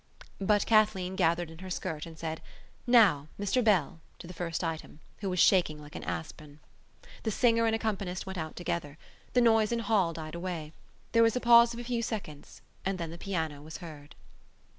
But Kathleen gathered in her skirt and said: "Now, Mr Bell," to the first item, who was shaking like an aspen. The singer and the accompanist went out together. The noise in hall died away. There was a pause of a few seconds: and then the piano was heard.